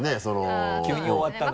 急に終わったな。